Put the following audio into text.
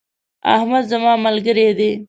احمد زما ملګری دی.